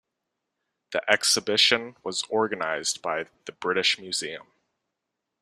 The exhibition was organized by The British Museum.